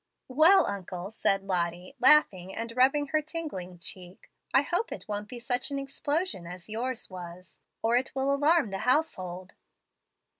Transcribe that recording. "Well, uncle," said Lottie, laughing and rubbing her tingling cheek, "I hope it won't be such an explosion as yours was, or it will alarm the household."